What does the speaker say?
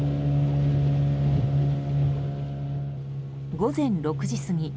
午前６時過ぎ